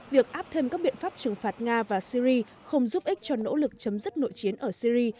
việc áp thêm các biện pháp trừng phạt nga và syri không giúp ích cho nỗ lực chấm dứt nội chiến ở syri